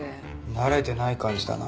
慣れてない感じだな。